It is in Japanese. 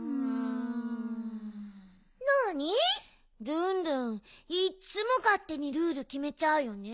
ルンルンいっつもかってにルールきめちゃうよね。